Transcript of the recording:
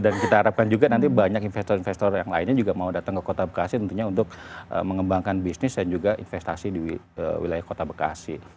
dan kita harapkan juga nanti banyak investor investor yang lainnya juga mau datang ke kota bekasi tentunya untuk mengembangkan bisnis dan juga investasi di wilayah kota bekasi